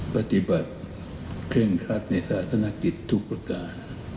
ปฏิบัติเคร่งครัดในศาสนกิจทุกประการ